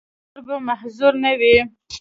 چې پۀ سترګو معذور نۀ وو،